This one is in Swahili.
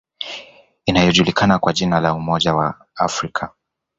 Inayojulikana kwa jina la Umoja wa Afrika